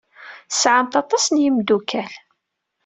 Tesɛamt aṭas n yimeddukal.